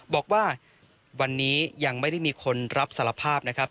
บอกว่าวันนี้ยังไม่ได้มีคนรับสารภาพนะครับ